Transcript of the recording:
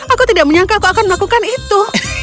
aku tidak menyangka aku akan melakukan itu